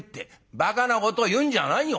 「ばかなことを言うんじゃないよ。